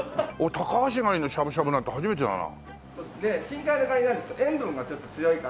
タカアシガニのしゃぶしゃぶって初めてだな。